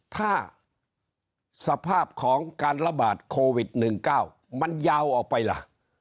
ถ้าสภาพของการระบาดโควิด๑๙มันยาวออกไปล่ะ